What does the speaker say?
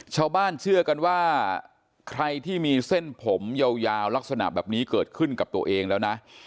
เชื่อกันว่าใครที่มีเส้นผมยาวลักษณะแบบนี้เกิดขึ้นกับตัวเองแล้วนะ